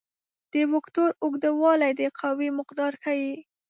د وکتور اوږدوالی د قوې مقدار ښيي.